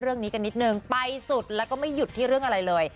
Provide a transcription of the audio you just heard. เรื่องนี้กันนิดนึงไปสุดแล้วก็ไม่หยุดที่เรื่องอะไรเลย